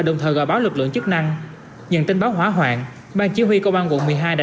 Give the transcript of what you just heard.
đồng thời gọi báo lực lượng chức năng nhận tin báo hỏa hoạn bang chỉ huy công an quận một mươi hai đã